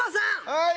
はい！